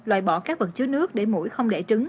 loại bỏ các vật chứa nước để mũi không đệ trứng